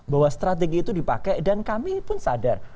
bahwa strategi itu dipakai dan kami pun sadar